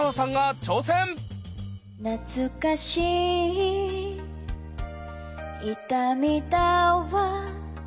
「なつかしい痛みだわ」